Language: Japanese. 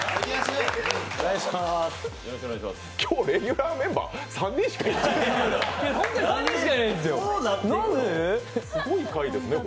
今日、レギュラーメンバー３人しかいないすごい回ですね。